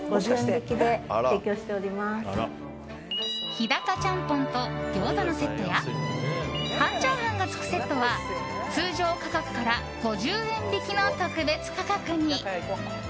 日高ちゃんぽんとギョーザのセットや半チャーハンがつくセットは通常価格から５０円引きの特別価格に。